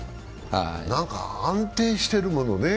なんか安定してるものね。